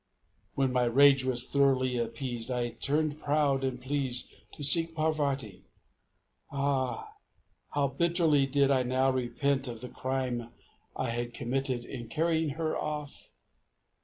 When my rage was thoroughly appeased I turned, proud and pleased, to seek Parvati. Ah! how bitterly did I now repent of the crime I had committed in carrying her off!...